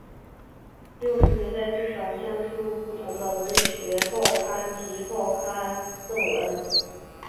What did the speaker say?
六十年代至七十年代初期曾为不同文学杂志及报刊撰文。